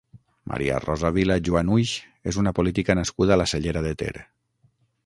Maria Rosa Vila Juanhuix és una política nascuda a la Cellera de Ter.